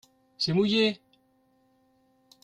C’est mouillé.